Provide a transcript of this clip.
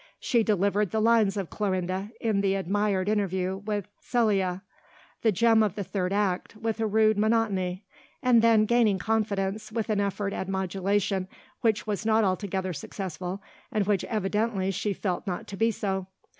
She delivered the lines of Clorinde in the admired interview with Célie, the gem of the third act, with a rude monotony, and then, gaining confidence, with an effort at modulation which was not altogether successful and which evidently she felt not to be so.